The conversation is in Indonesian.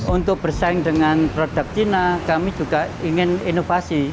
untuk bersaing dengan produk cina kami juga ingin inovasi